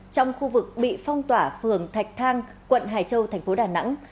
trong khu vực bị phong tỏa phường thạch thang quận hải châu thành phố đà nẵng